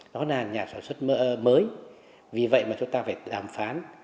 đó là nhà sản xuất mới vì vậy mà chúng ta phải đàm phán